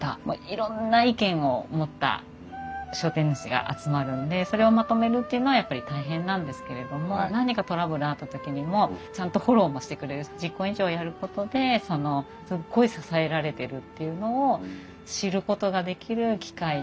いろんな意見を持った商店主が集まるんでそれをまとめるっていうのはやっぱり大変なんですけれども何かトラブルあった時にもちゃんとフォローもしてくれるし実行委員長をやることですっごい支えられてるっていうのを知ることができる機会ではありました。